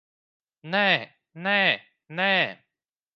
Nē, nē, nē!